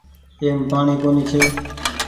ايم پآڻيٚ ڪونيٚ ڇي۔